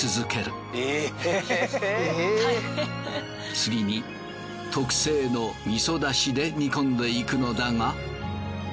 次に特製の味噌出汁で煮込んでいくのだが。